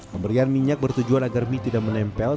pemberian minyak bertujuan agar mie tidak menempel